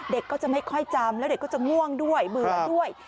เด็กก็จะไม่ค่อยจำแล้วเด็กก็จะง่วงด้วยเบื่อด้วย